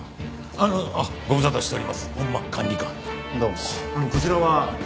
あのこちらは？